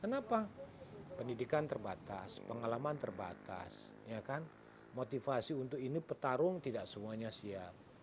kenapa pendidikan terbatas pengalaman terbatas motivasi untuk ini petarung tidak semuanya siap